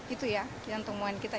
itu ya yang tomond kita